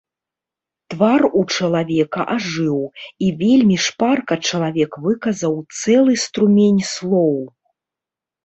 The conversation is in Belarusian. Твар у чалавека ажыў, і вельмі шпарка чалавек выказаў цэлы струмень слоў.